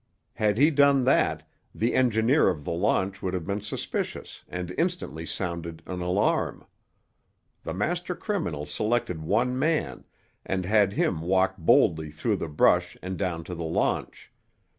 Had he done that, the engineer of the launch would have been suspicious and instantly sounded an alarm. The master criminal selected one man, and had him walk boldly through the brush and down to the launch.